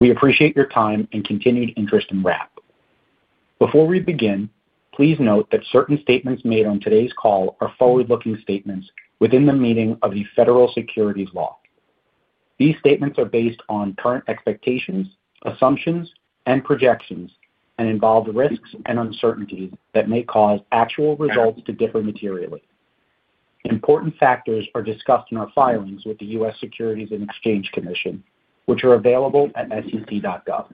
We appreciate your time and continued interest in Wrap. Before we begin, please note that certain statements made on today's call are forward-looking statements within the meaning of the Federal Securities Law. These statements are based on current expectations, assumptions, and projections, and involve risks and uncertainties that may cause actual results to differ materially. Important factors are discussed in our filings with the U.S. Securities and Exchange Commission, which are available at sec.gov.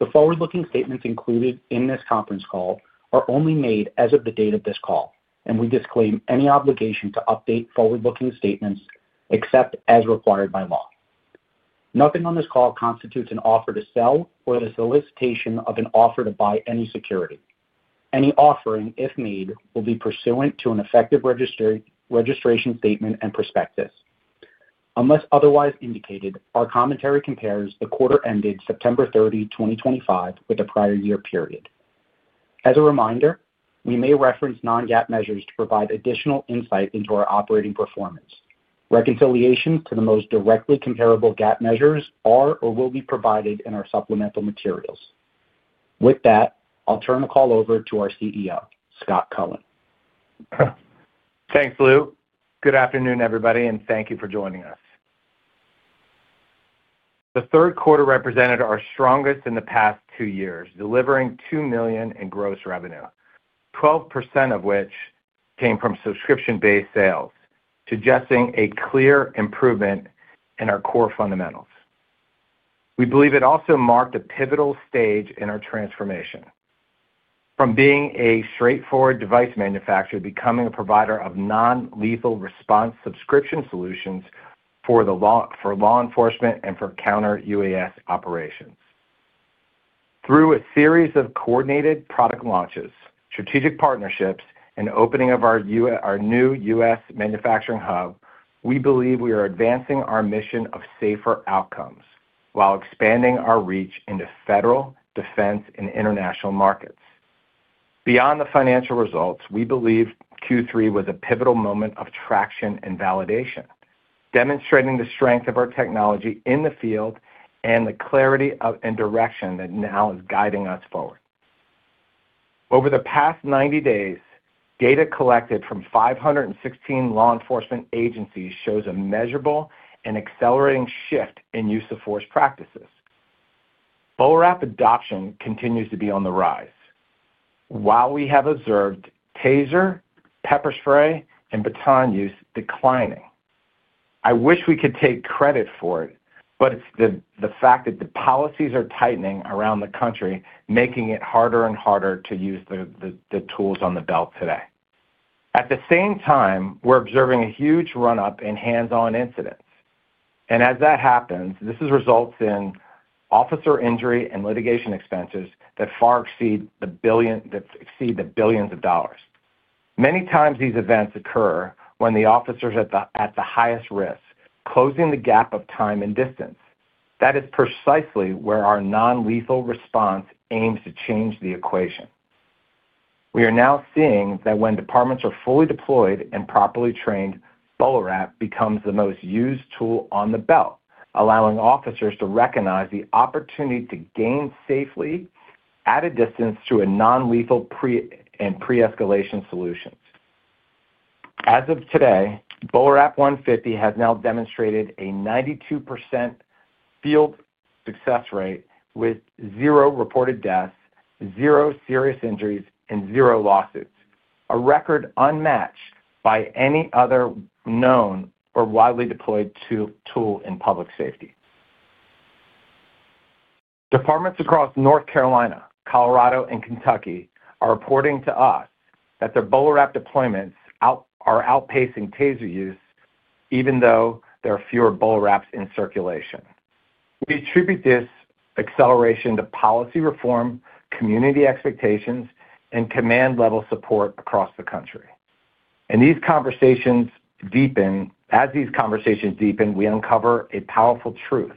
The forward-looking statements included in this conference call are only made as of the date of this call, and we disclaim any obligation to update forward-looking statements except as required by law. Nothing on this call constitutes an offer to sell or the solicitation of an offer to buy any security. Any offering, if made, will be pursuant to an effective registration statement and prospectus. Unless otherwise indicated, our commentary compares the quarter ended September 30, 2025, with a prior year period. As a reminder, we may reference Non-GAAP measures to provide additional insight into our operating performance. Reconciliations to the most directly comparable GAAP measures are or will be provided in our supplemental materials. With that, I'll turn the call over to our CEO, Scott Cohen. Thanks, Lou. Good afternoon, everybody, and thank you for joining us. The third quarter represented our strongest in the past two years, delivering $2 million in gross revenue, 12% of which came from subscription-based sales, suggesting a clear improvement in our core fundamentals. We believe it also marked a pivotal stage in our transformation from being a straightforward device manufacturer to becoming a provider of non-lethal response subscription solutions for Law Enforcement and for Counter-UAS operations. Through a series of coordinated product launches, strategic partnerships, and opening of our new U.S. manufacturing hub, we believe we are advancing our mission of safer outcomes while expanding our reach into federal, defense, and international markets. Beyond the financial results, we believe Q3 was a pivotal moment of traction and validation, demonstrating the strength of our technology in the field and the clarity and direction that now is guiding us forward. Over the past 90 days, data collected from 516 Law Enforcement agencies shows a measurable and accelerating shift in use of force practices. BolaWrap adoption continues to be on the rise, while we have observed TASER, pepper spray, and baton use declining. I wish we could take credit for it, but it's the fact that the policies are tightening around the country, making it harder and harder to use the tools on the belt today. At the same time, we're observing a huge run-up in hands-on incidents. As that happens, this results in officer injury and litigation expenses that far exceed the billions of dollars. Many times, these events occur when the officers at the highest risk, closing the gap of time and distance. That is precisely where our non-lethal response aims to change the equation. We are now seeing that when departments are fully deployed and properly trained, BolaWrap becomes the most used tool on the belt, allowing officers to recognize the opportunity to gain safely at a distance through non-lethal and pre-escalation solutions. As of today, BolaWrap 150 has now demonstrated a 92% field success rate with zero reported deaths, zero serious injuries, and zero lawsuits, a record unmatched by any other known or widely deployed tool in public safety. Departments across North Carolina, Colorado, and Kentucky are reporting to us that their BolaWrap deployments are outpacing TASER use, even though there are fewer BolaWraps in circulation. We attribute this acceleration to policy reform, community expectations, and command-level support across the country. As these conversations deepen, we uncover a powerful truth.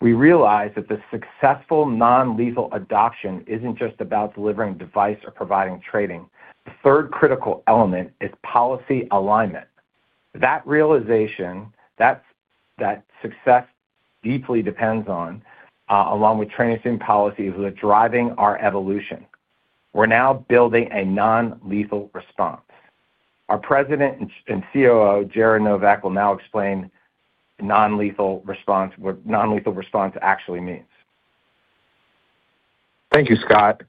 We realize that the successful non-lethal adoption isn't just about delivering device or providing training. The third critical element is policy alignment. That realization, that success deeply depends on, along with trainings and policies, is driving our evolution. We're now building a non-lethal response. Our President and COO, Jared Novick, will now explain what non-lethal response actually means. Thank you, Scott.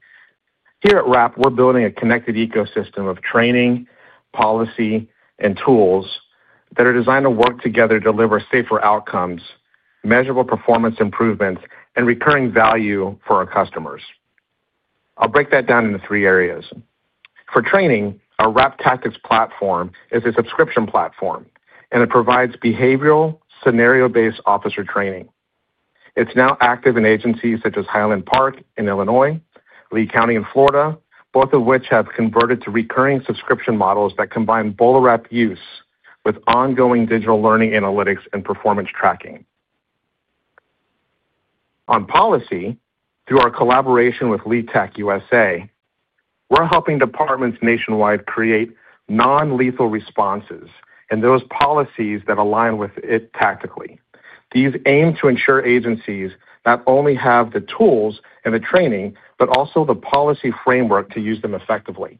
Here at Wrap, we're building a connected ecosystem of training, policy, and tools that are designed to work together to deliver safer outcomes, measurable performance improvements, and recurring value for our customers. I'll break that down into three areas. For training, our WrapTactics platform is a subscription platform, and it provides behavioral, scenario-based officer training. It's now active in agencies such as Highland Park in Illinois, Lee County in Florida, both of which have converted to recurring subscription models that combine BolaWrap use with ongoing digital learning analytics and performance tracking. On policy, through our collaboration with LETAC USA, we're helping departments nationwide create non-lethal responses and those policies that align with it tactically. These aim to ensure agencies not only have the tools and the training, but also the policy framework to use them effectively.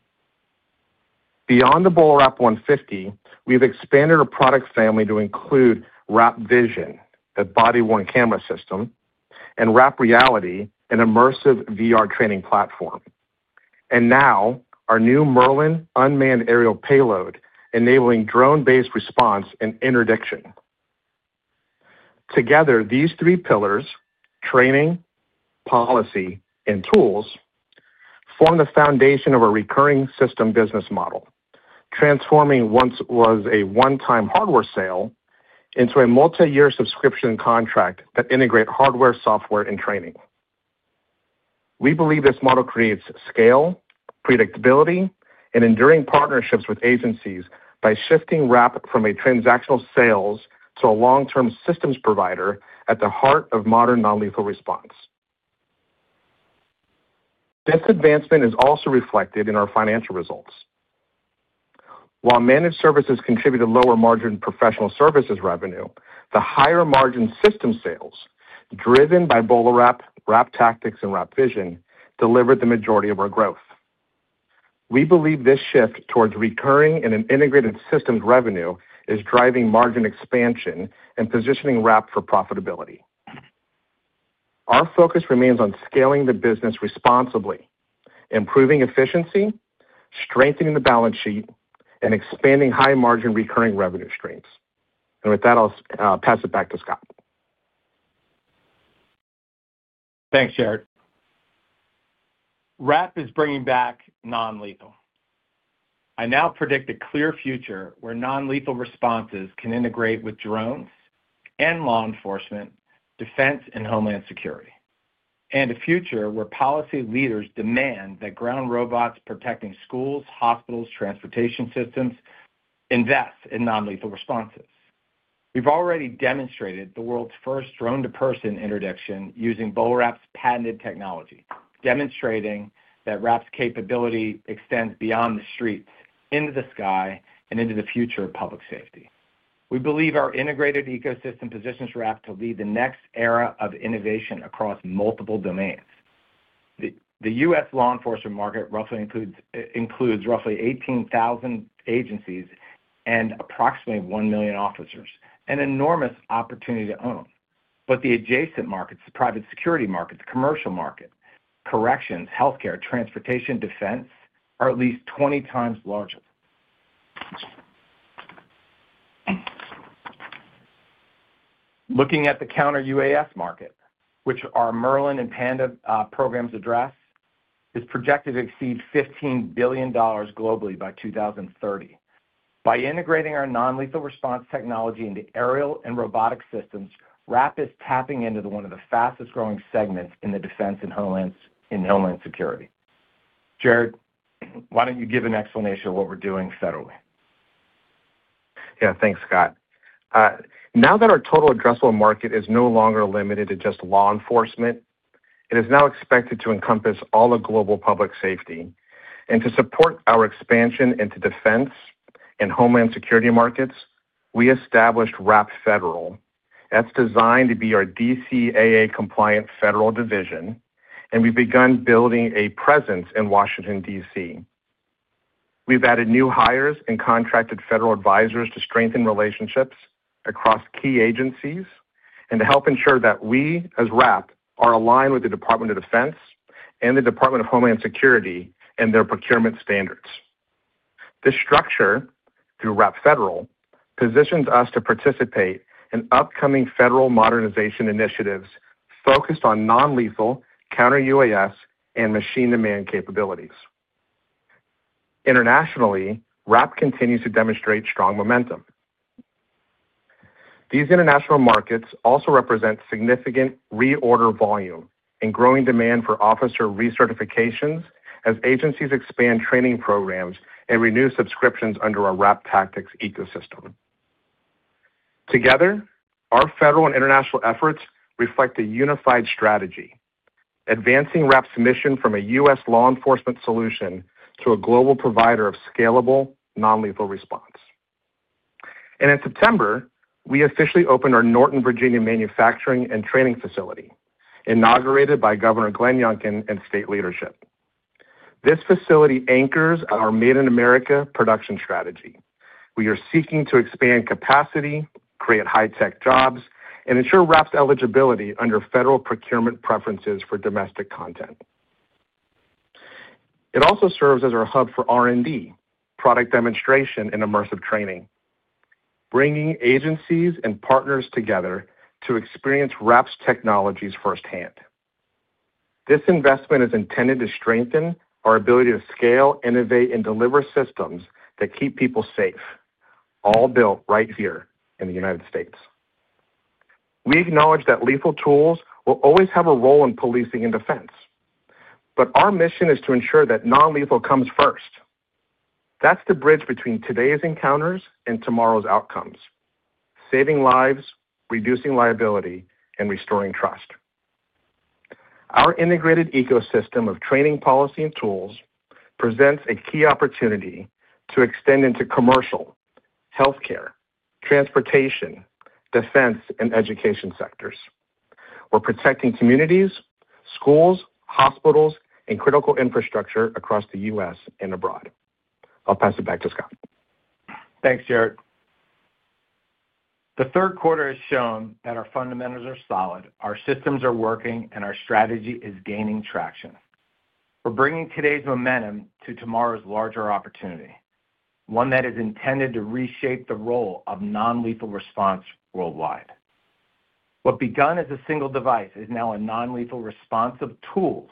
Beyond the BolaWrap 150, we've expanded our product family to include WrapVision, the body-worn camera system, and WrapReality, an immersive VR training platform. Now, our new Merlin unmanned aerial payload, enabling drone-based response and interdiction. Together, these three pillars, training, policy, and tools, form the foundation of a recurring system business model, transforming what was a one-time hardware sale into a multi-year subscription contract that integrates hardware, software, and training. We believe this model creates scale, predictability, and enduring partnerships with agencies by shifting Wrap from a transactional sales to a long-term systems provider at the heart of modern non-lethal response. This advancement is also reflected in our financial results. While managed services contribute to lower margin professional services revenue, the higher margin system sales, driven by BolaWrap, WrapTactics, and WrapVision, delivered the majority of our growth. We believe this shift towards recurring and an integrated systems revenue is driving margin expansion and positioning Wrap for profitability. Our focus remains on scaling the business responsibly, improving efficiency, strengthening the balance sheet, and expanding high-margin recurring revenue streams. I'll pass it back to Scott. Thanks, Jared. Wrap is bringing back non-lethal. I now predict a clear future where non-lethal responses can integrate with drones and Law Enforcement, Defense, and Homeland Security, and a future where policy leaders demand that ground robots protecting schools, hospitals, and transportation systems invest in non-lethal responses. We've already demonstrated the world's first drone-to-person interdiction using BolaWrap's patented technology, demonstrating that Wrap's capability extends beyond the streets, into the sky, and into the future of public safety. We believe our integrated ecosystem positions Wrap to lead the next era of innovation across multiple domains. The U.S. Law Enforcement market includes roughly 18,000 agencies and approximately 1 million officers, an enormous opportunity to own. The adjacent markets, the private security market, the commercial market, corrections, healthcare, transportation, and defense, are at least 20x larger. Looking at the Counter-UAS market, which our Merlin and Panda programs address, is projected to exceed $15 billion globally by 2030. By integrating our non-lethal response technology into aerial and robotic systems, Wrap is tapping into one of the fastest-growing segments in Defense and Homeland Security. Jared, why don't you give an explanation of what we're doing federally? Yeah, thanks, Scott. Now that our total addressable market is no longer limited to just Law Enforcement, it is now expected to encompass all of global public safety. To support our expansion Defense and Homeland Security markets, we established Wrap Federal. That is designed to be our DCAA-compliant federal division, and we have begun building a presence in Washington, D.C. We have added new hires and contracted federal advisors to strengthen relationships across key agencies and to help ensure that we, as Wrap, are aligned with the Department of Defense and the Department of Homeland Security and their procurement standards. This structure, through Wrap Federal, positions us to participate in upcoming federal modernization initiatives focused on non-lethal, Counter-UAS, and machine-to-man capabilities. Internationally, Wrap continues to demonstrate strong momentum. These international markets also represent significant reorder volume and growing demand for officer recertifications as agencies expand training programs and renew subscriptions under our WrapTactics ecosystem. Together, our federal and international efforts reflect a unified strategy, advancing Wrap's mission from a U.S. Law Enforcement solution to a global provider of scalable non-lethal response. In September, we officially opened our Norton, Virginia Manufacturing and Training Facility, inaugurated by Governor Glenn Youngkin and state leadership. This facility anchors our Made in America production strategy. We are seeking to expand capacity, create high-tech jobs, and ensure Wrap's eligibility under federal procurement preferences for domestic content. It also serves as our hub for R&D, product demonstration, and immersive training, bringing agencies and partners together to experience Wrap's technologies firsthand. This investment is intended to strengthen our ability to scale, innovate, and deliver systems that keep people safe, all built right here in the United States. We acknowledge that lethal tools will always have a role in policing and defense, but our mission is to ensure that non-lethal comes first. That's the bridge between today's encounters and tomorrow's outcomes, saving lives, reducing liability, and restoring trust. Our integrated ecosystem of training, policy, and tools presents a key opportunity to extend into commercial, healthcare, transportation, defense, and education sectors. We're protecting communities, schools, hospitals, and critical infrastructure across the U.S. and abroad. I'll pass it back to Scott. Thanks, Jared. The third quarter has shown that our fundamentals are solid, our systems are working, and our strategy is gaining traction. We're bringing today's momentum to tomorrow's larger opportunity, one that is intended to reshape the role of non-lethal response worldwide. What began as a single device is now a non-lethal response of tools,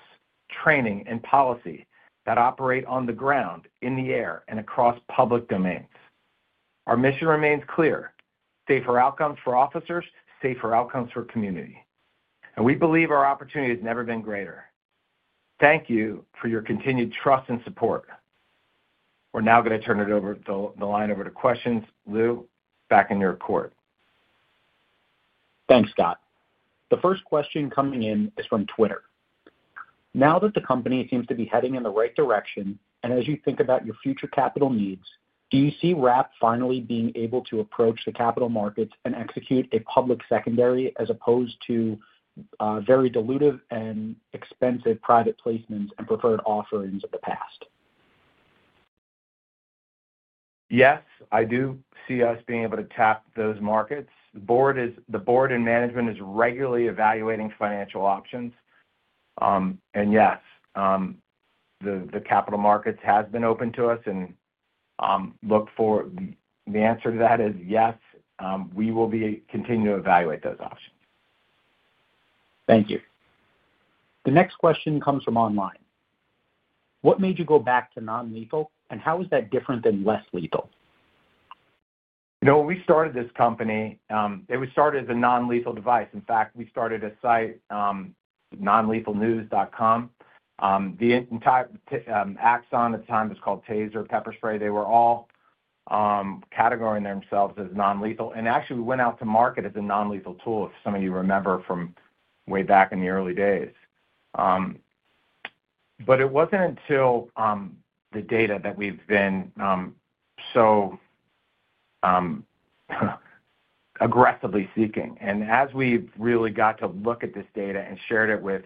training, and policy that operate on the ground, in the air, and across public domains. Our mission remains clear: safer outcomes for officers, safer outcomes for community. We believe our opportunity has never been greater. Thank you for your continued trust and support. We're now going to turn the line over to questions. Lou, back in your court. Thanks, Scott. The first question coming in is from Twitter. Now that the company seems to be heading in the right direction, and as you think about your future capital needs, do you see Wrap finally being able to approach the capital markets and execute a public secondary as opposed to very dilutive and expensive private placements and preferred offerings of the past? Yes, I do see us being able to tap those markets. The board and management is regularly evaluating financial options. Yes, the capital markets have been open to us, and the answer to that is yes, we will continue to evaluate those options. Thank you. The next question comes from online. What made you go back to non-lethal, and how is that different than less-lethal? When we started this company, it was started as a non-lethal device. In fact, we started a site, nonlethalnews.com. Axon at the time was called TASER, Pepper Spray. They were all categorizing themselves as non-lethal. Actually, we went out to market as a non-lethal tool, if some of you remember from way back in the early days. It was not until the data that we have been so aggressively seeking. As we have really got to look at this data and shared it with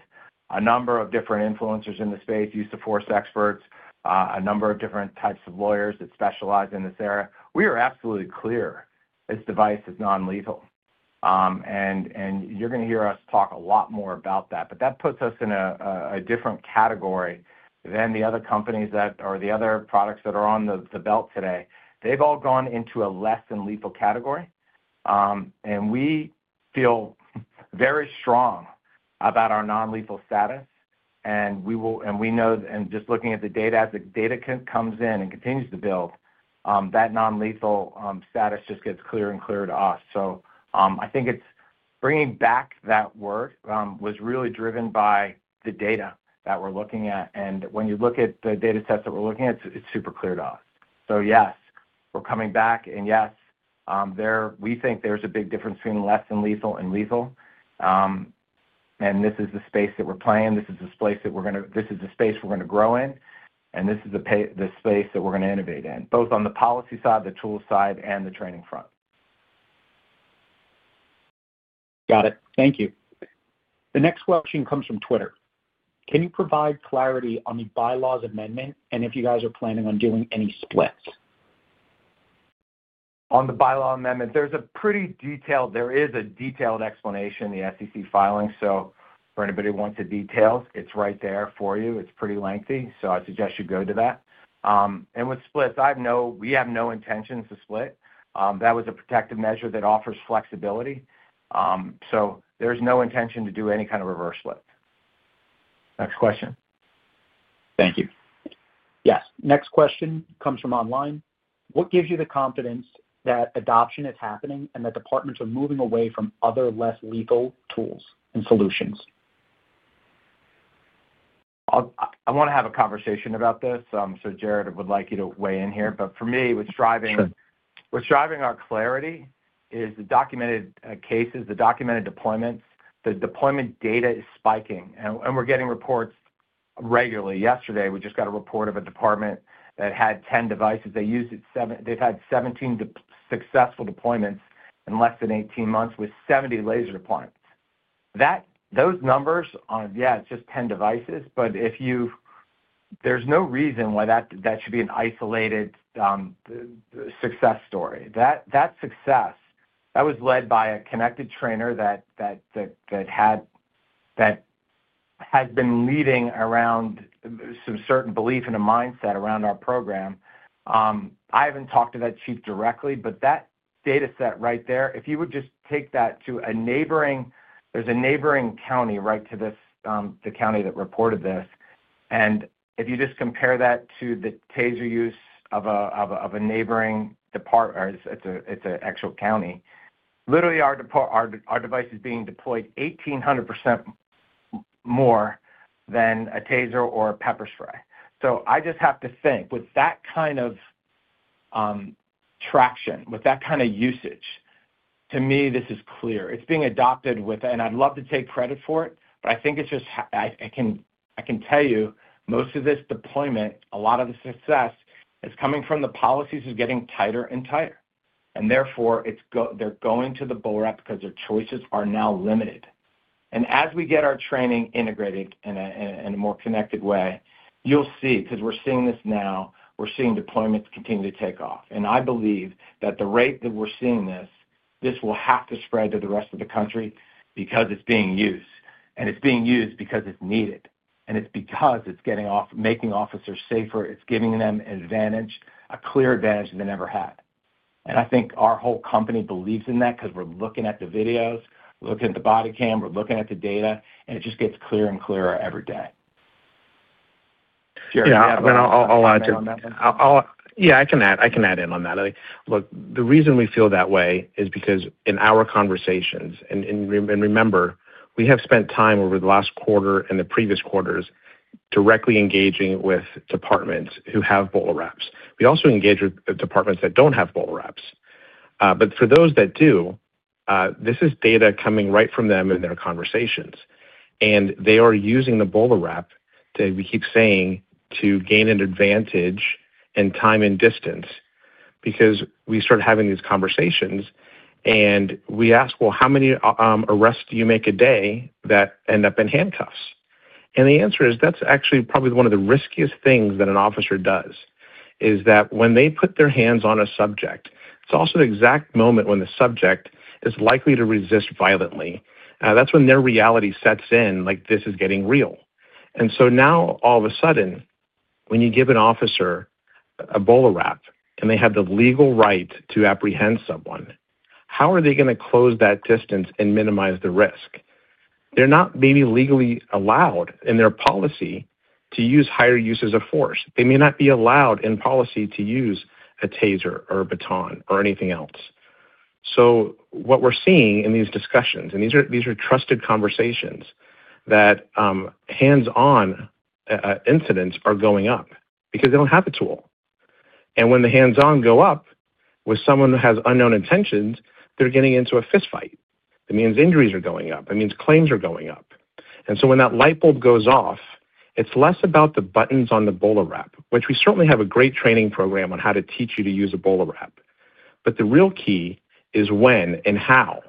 a number of different influencers in the space, use of force experts, a number of different types of lawyers that specialize in this area, we are absolutely clear this device is non-lethal. You are going to hear us talk a lot more about that. That puts us in a different category than the other companies that are the other products that are on the belt today. They've all gone into a less-lethal category. We feel very strong about our non-lethal status. We know, and just looking at the data, as the data comes in and continues to build, that non-lethal status just gets clearer and clearer to us. I think bringing back that word was really driven by the data that we're looking at. When you look at the data sets that we're looking at, it's super clear to us. Yes, we're coming back. Yes, we think there's a big difference between less-lethal and lethal. This is the space that we're playing. This is the space that we're going to—this is the space we're going to grow in. This is the space that we're going to innovate in, both on the policy side, the tools side, and the training front. Got it. Thank you. The next question comes from Twitter. Can you provide clarity on the bylaws amendment and if you guys are planning on doing any splits? On the bylaw amendment, there's a pretty detailed explanation in the SEC filing. For anybody who wants the details, it's right there for you. It's pretty lengthy. I suggest you go to that. With splits, we have no intentions to split. That was a protective measure that offers flexibility. There's no intention to do any kind of reverse split. Next question. Thank you. Yes. Next question comes from online. What gives you the confidence that adoption is happening and that departments are moving away from other less-lethal tools and solutions? I want to have a conversation about this. Jared, would like you to weigh in here. For me, what's driving our clarity is the documented cases, the documented deployments. The deployment data is spiking. We're getting reports regularly. Yesterday, we just got a report of a department that had 10 devices. They've had 17 successful deployments in less than 18 months with 70 laser deployments. Those numbers, yeah, it's just 10 devices. There's no reason why that should be an isolated success story. That success, that was led by a connected trainer that has been leading around some certain belief and a mindset around our program. I haven't talked to that chief directly, but that data set right there, if you would just take that to a neighboring—there's a neighboring county right to the county that reported this. If you just compare that to the TASER use of a neighboring department, it's an actual county. Literally, our device is being deployed 1,800% more than a TASER or a Pepper Spray. I just have to think, with that kind of traction, with that kind of usage, to me, this is clear. It's being adopted with--and I'd love to take credit for it, but I think it's just--I can tell you, most of this deployment, a lot of the success, is coming from the policies getting tighter and tighter. Therefore, they're going to the BolaWrap because their choices are now limited. As we get our training integrated in a more connected way, you'll see, because we're seeing this now, we're seeing deployments continue to take off. I believe that the rate that we're seeing this, this will have to spread to the rest of the country because it's being used. It's being used because it's needed. It's because it's making officers safer. It's giving them an advantage, a clear advantage they never had. I think our whole company believes in that because we're looking at the videos, we're looking at the body cam, we're looking at the data, and it just gets clearer and clearer every day. Jared. I'll add to that. Yeah, I can add in on that. Look, the reason we feel that way is because in our conversations, and remember, we have spent time over the last quarter and the previous quarters directly engaging with departments who have BolaWraps. We also engage with departments that do not have BolaWraps. For those that do, this is data coming right from them in their conversations. They are using the BolaWrap, we keep saying, to gain an advantage in time and distance because we start having these conversations. We ask, "How many arrests do you make a day that end up in handcuffs?" The answer is that is actually probably one of the riskiest things that an officer does, is that when they put their hands on a subject, it is also the exact moment when the subject is likely to resist violently. That's when their reality sets in, like, "This is getting real." Now, all of a sudden, when you give an officer a BolaWrap and they have the legal right to apprehend someone, how are they going to close that distance and minimize the risk? They're not maybe legally allowed in their policy to use higher uses of force. They may not be allowed in policy to use a TASER or a baton or anything else. What we're seeing in these discussions, and these are trusted conversations, is that hands-on incidents are going up because they don't have the tool. When the hands-on go up with someone who has unknown intentions, they're getting into a fistfight. That means injuries are going up. That means claims are going up. When that light bulb goes off, it's less about the buttons on the BolaWrap, which we certainly have a great training program on how to teach you to use a BolaWrap. The real key is when and how.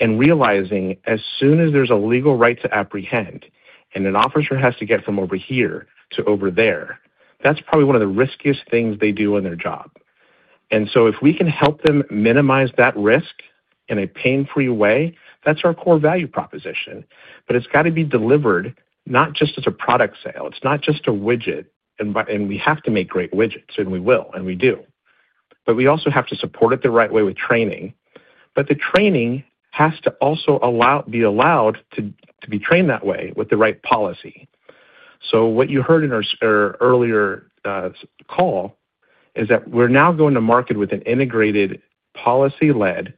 Realizing as soon as there's a legal right to apprehend and an officer has to get from over here to over there, that's probably one of the riskiest things they do in their job. If we can help them minimize that risk in a pain-free way, that's our core value proposition. It has to be delivered not just as a product sale. It's not just a widget. We have to make great widgets, and we will, and we do. We also have to support it the right way with training. The training has to also be allowed to be trained that way with the right policy. What you heard in our earlier call is that we're now going to market with an integrated policy-led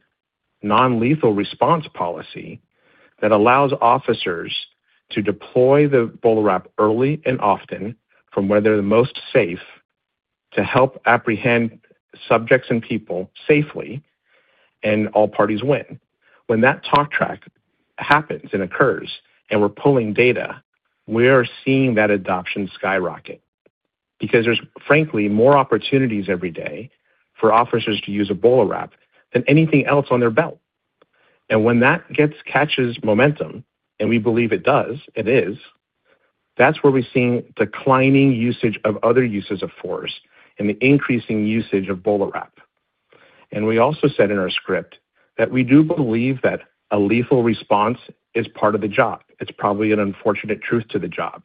non-lethal response policy that allows officers to deploy the BolaWrap early and often from where they're the most safe to help apprehend subjects and people safely, and all parties win. When that talk track happens and occurs and we're pulling data, we are seeing that adoption skyrocket because there's, frankly, more opportunities every day for officers to use a BolaWrap than anything else on their belt. When that catches momentum, and we believe it does, it is, that's where we're seeing declining usage of other uses of force and the increasing usage of BolaWrap. We also said in our script that we do believe that a lethal response is part of the job. It's probably an unfortunate truth to the job.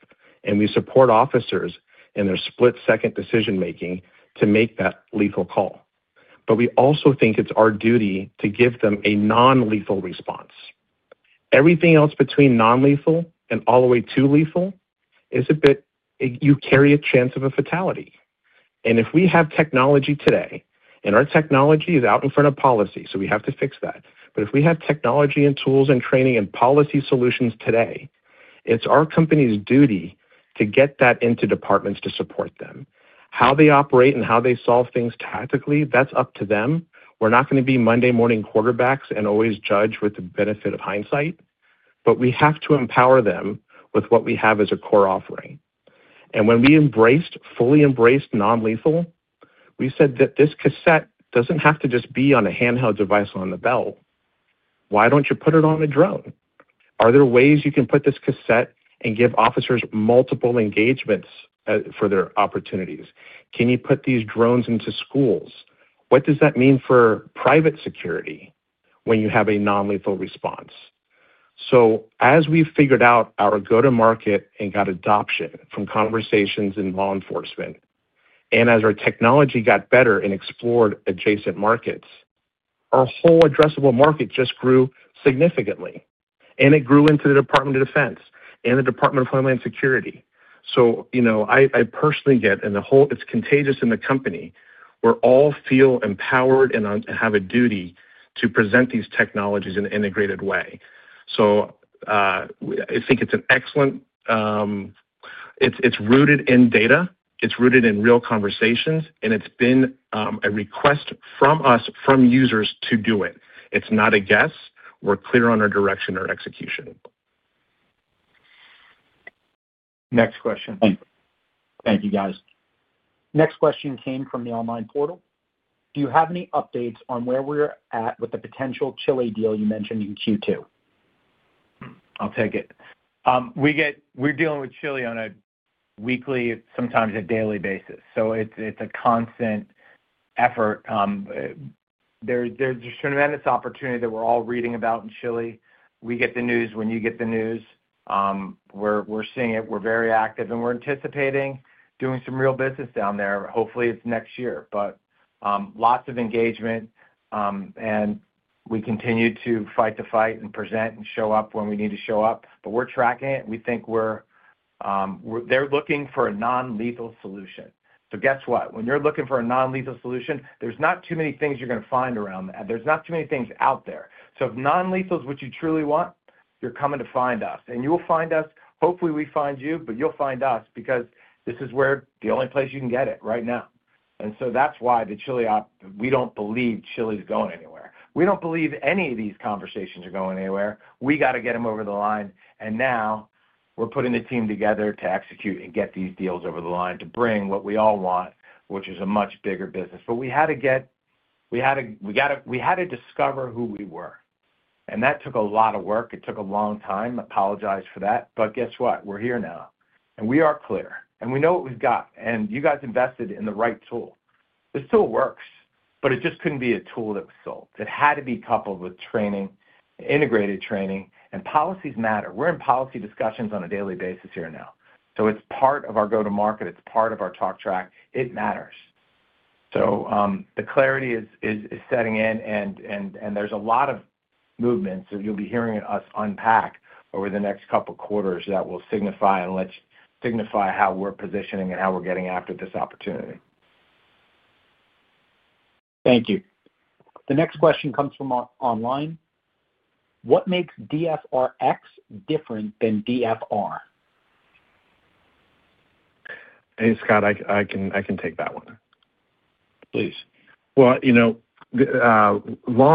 We support officers in their split-second decision-making to make that lethal call. We also think it's our duty to give them a non-lethal response. Everything else between non-lethal and all the way to lethal is a bit you carry a chance of a fatality. If we have technology today, and our technology is out in front of policy, we have to fix that. If we have technology and tools and training and policy solutions today, it's our company's duty to get that into departments to support them. How they operate and how they solve things tactically, that's up to them. We're not going to be Monday morning quarterbacks and always judge with the benefit of hindsight. We have to empower them with what we have as a core offering. When we fully embraced non-lethal, we said that this cassette does not have to just be on a handheld device on the belt. Why do you not put it on a drone? Are there ways you can put this cassette and give officers multiple engagements for their opportunities? Can you put these drones into schools? What does that mean for private security when you have a non-lethal response? As we have figured out our go-to-market and got adoption from conversations in Law Enforcement, and as our technology got better and explored adjacent markets, our whole addressable market just grew significantly. It grew into the Department of Defense and the Department of Homeland Security. I personally get, and it's contagious in the company, we all feel empowered and have a duty to present these technologies in an integrated way. I think it's excellent, it's rooted in data. It's rooted in real conversations. And it's been a request from us, from users, to do it. It's not a guess. We're clear on our direction, our execution. Next question. Thank you, guys. Next question came from the online portal. Do you have any updates on where we're at with the potential Chile deal you mentioned in Q2? I'll take it. We're dealing with Chile on a weekly, sometimes a daily basis. It is a constant effort. There is a tremendous opportunity that we're all reading about in Chile. We get the news when you get the news. We're seeing it. We're very active. We are anticipating doing some real business down there. Hopefully, it is next year. Lots of engagement. We continue to fight the fight and present and show up when we need to show up. We are tracking it. We think they're looking for a non-lethal solution. Guess what? When you're looking for a non-lethal solution, there are not too many things you're going to find around that. There are not too many things out there. If non-lethal is what you truly want, you're coming to find us. You will find us. Hopefully, we find you, but you'll find us because this is the only place you can get it right now. That is why the Chile, we do not believe Chile is going anywhere. We do not believe any of these conversations are going anywhere. We got to get them over the line. Now we are putting the team together to execute and get these deals over the line to bring what we all want, which is a much bigger business. We had to get, we had to discover who we were. That took a lot of work. It took a long time. I apologize for that. Guess what? We are here now. We are clear. We know what we have got. You guys invested in the right tool. This tool works, but it just could not be a tool that was sold. It had to be coupled with training, integrated training. Policies matter. We are in policy discussions on a daily basis here now. It is part of our go-to-market. It is part of our talk track. It matters. The clarity is setting in. There is a lot of movement. You will be hearing us unpack over the next couple of quarters that will signify how we are positioning and how we are getting after this opportunity. Thank you. The next question comes from online. What makes DFR-X different than DFR? Hey, Scott, I can take that one. Please. Law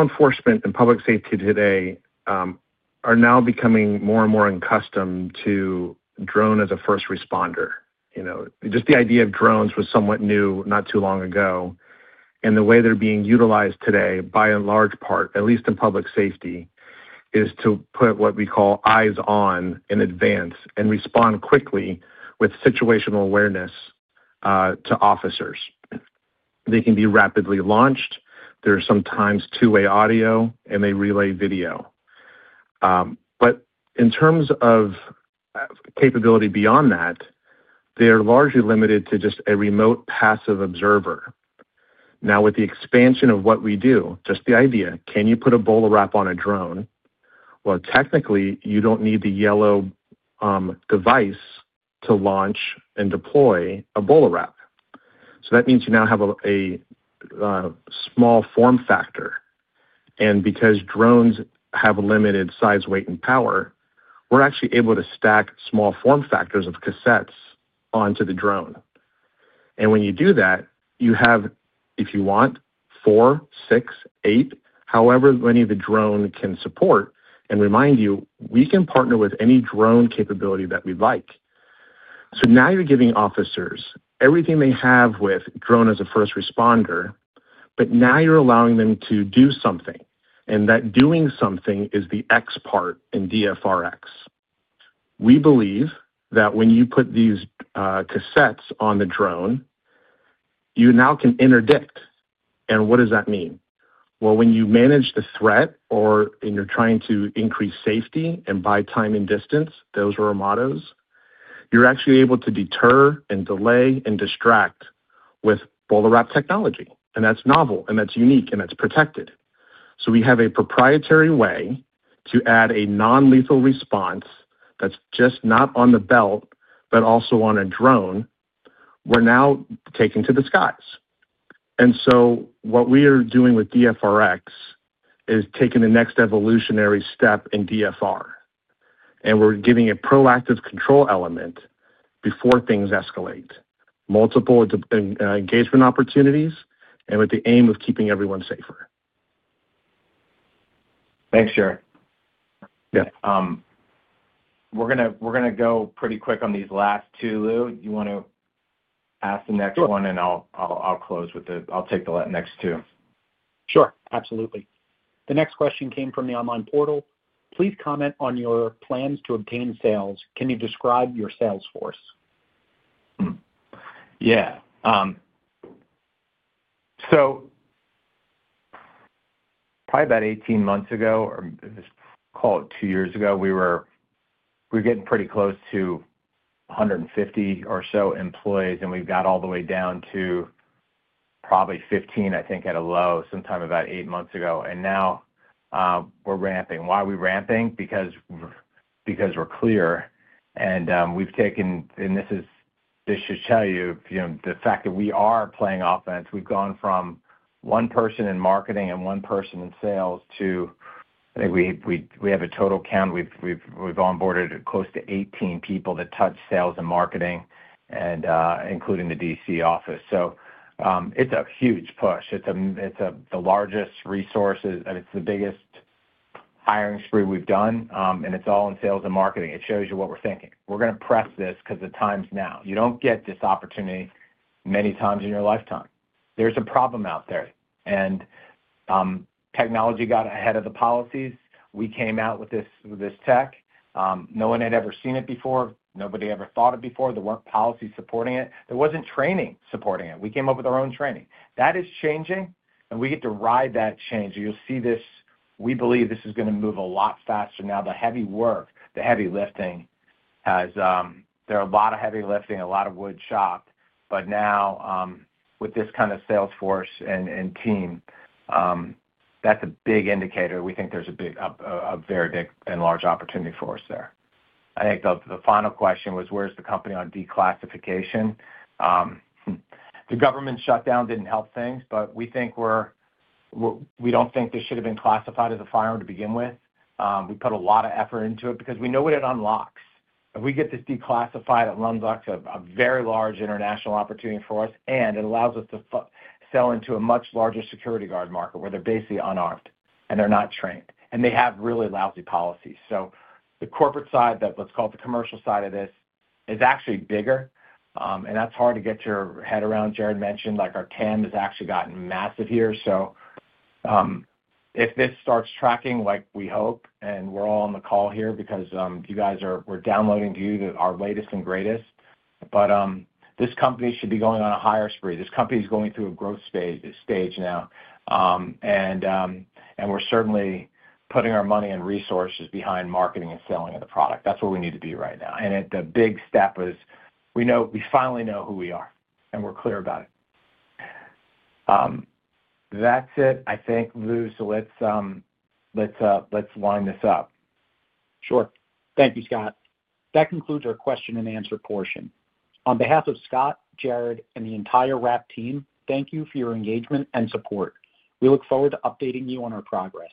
enforcement and public safety today are now becoming more and more accustomed to drone as a first responder. Just the idea of drones was somewhat new not too long ago. The way they're being utilized today, by a large part, at least in public safety, is to put what we call eyes on in advance and respond quickly with situational awareness to officers. They can be rapidly launched. There are sometimes two-way audio, and they relay video. In terms of capability beyond that, they're largely limited to just a remote passive observer. Now, with the expansion of what we do, just the idea, can you put a BolaWrap on a drone? Technically, you don't need the yellow device to launch and deploy a BolaWrap. That means you now have a small form factor. Because drones have limited size, weight, and power, we're actually able to stack small form factors of cassettes onto the drone. When you do that, you have, if you want, four, six, eight, however many the drone can support. Remind you, we can partner with any drone capability that we'd like. Now you're giving officers everything they have with drone as a first responder, but now you're allowing them to do something. That doing something is the X part in DFR-X. We believe that when you put these cassettes on the drone, you now can interdict. What does that mean? When you manage the threat or you're trying to increase safety and buy time and distance, those are our mottos. You're actually able to deter and delay and distract with BolaWrap technology. That's novel. That's unique. That's protected. We have a proprietary way to add a non-lethal response that's just not on the belt, but also on a drone. We're now taking to the skies. What we are doing with DFR-X is taking the next evolutionary step in DFR. We're giving a proactive control element before things escalate, multiple engagement opportunities, with the aim of keeping everyone safer. Thanks, Jared. Yeah. We're going to go pretty quick on these last two, Lou. You want to ask the next one, and I'll close with the I'll take the next two. Sure. Absolutely.The next question came from the online portal. Please comment on your plans to obtain sales. Can you describe your sales force? Yeah. So probably about 18 months ago, or call it two years ago, we were getting pretty close to 150 or so employees. We got all the way down to probably 15, I think, at a low sometime about eight months ago. Now we're ramping. Why are we ramping? Because we're clear. We've taken—and this should tell you the fact that we are playing offense. We've gone from one person in marketing and one person in sales to—I think we have a total count—we've onboarded close to 18 people that touch sales and marketing, including the D.C. office. It's a huge push. It's the largest resource. It's the biggest hiring spree we've done. It's all in sales and marketing. It shows you what we're thinking. We're going to press this because the time's now. You don't get this opportunity many times in your lifetime. There's a problem out there. Technology got ahead of the policies. We came out with this tech. No one had ever seen it before. Nobody ever thought of it before. There weren't policies supporting it. There wasn't training supporting it. We came up with our own training. That is changing. We get to ride that change. You'll see this—we believe this is going to move a lot faster now. The heavy work, the heavy lifting has—a lot of heavy lifting, a lot of wood chopped. Now, with this kind of sales force and team, that's a big indicator. We think there's a very big and large opportunity for us there. I think the final question was, where's the company on declassification? The government shutdown didn't help things, but we think we're—we don't think this should have been classified as a firearm to begin with. We put a lot of effort into it because we know what it unlocks. If we get this declassified, it unlocks a very large international opportunity for us. It allows us to sell into a much larger security guard market where they're basically unarmed and they're not trained. They have really lousy policies. The corporate side, let's call it the commercial side of this, is actually bigger. That is hard to get your head around. Jared mentioned our TAM has actually gotten massive here. If this starts tracking like we hope, and we're all on the call here because you guys are—we're downloading to you our latest and greatest. This company should be going on a higher spree. This company is going through a growth stage now. We are certainly putting our money and resources behind marketing and selling of the product. That's where we need to be right now. The big step is we finally know who we are. We're clear about it. That's it, I think, Lou. Let's wind this up. Sure. Thank you, Scott. That concludes our question-and-answer portion. On behalf of Scott, Jared, and the entire Wrap team, thank you for your engagement and support. We look forward to updating you on our progress.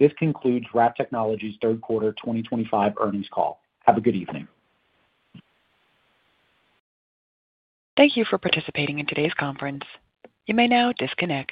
This concludes Wrap Technologies' third quarter 2025 earnings call. Have a good evening. Thank you for participating in today's conference. You may now disconnect.